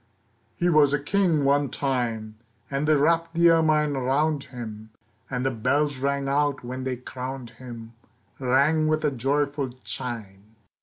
HE was a king one time, And they wrapped the ermine around him, And the bells rang out when they crowned him, Rang with a joyful chime.